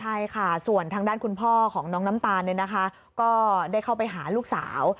ใช่ค่ะส่วนทางด้านคุณพ่อของน้องน้ำตาลก็ได้เข้าไปหาลูกสาว